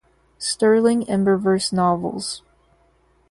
Stirling Emberverse novels.